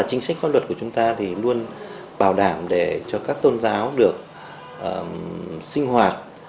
chính sách pháp luật của chúng ta thì luôn bảo đảm để cho các tôn giáo được sinh hoạt